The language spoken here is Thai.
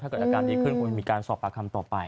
เกิดอาการดีขึ้นคงมีการสอบปากคำต่อไป